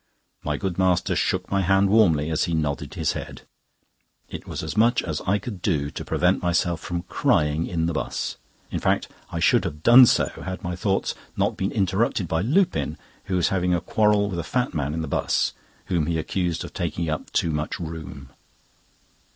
My good master shook my hand warmly as he nodded his head. It was as much as I could do to prevent myself from crying in the 'bus; in fact, I should have done so, had my thoughts not been interrupted by Lupin, who was having a quarrel with a fat man in the 'bus, whom he accused of taking up too much room.